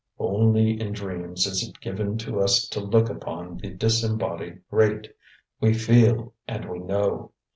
"Only in dreams is it given to us to look upon the disembodied great. We feel, and we know!